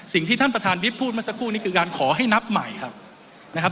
สิ่งที่ท่านประธานวิทย์พูดมาสักครู่นี้คือการขอให้นับใหม่ครับนะครับ